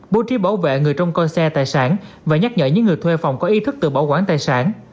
bố trí bảo vệ người trong coi xe tài sản và nhắc nhở những người thuê phòng có ý thức tự bảo quản tài sản